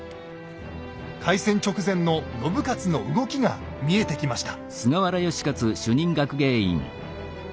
開戦直前の信雄の動きが見えてきました。